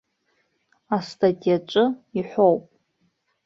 Астатиаҿы иҳәоуп.